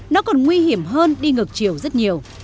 nó còn nguy hiểm hơn đi ngược chiều rất nhiều